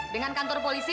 dengan kantor polisi